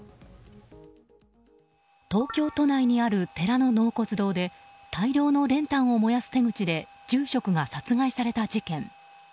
東京都内にある寺の納骨堂で大量の練炭を燃やす手口で住職が殺害された事件。